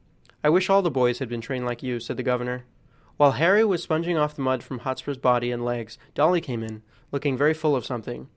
"I wish all the boys had been trained like you," said the governor. While Harry was sponging off the mud from Hotspur's body and legs Dolly came in, looking very full of something.